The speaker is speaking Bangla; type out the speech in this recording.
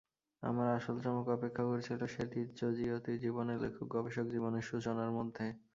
আমার আসল চমক অপেক্ষা করছিল শেলীর জজিয়তির জীবনে লেখক-গবেষক জীবনের সূচনার মধ্যে।